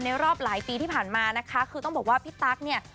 รอบหลายปีที่ผ่านมานะคะคือต้องบอกว่าพี่ตั๊กเนี่ย